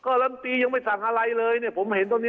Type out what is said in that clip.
ก็การแมนตียังไม่สั่งอะไรเลยผมเห็นชีวิตตรงนี้